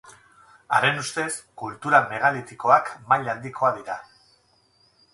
Haren ustez kultura megalitikoak maila handikoa dira.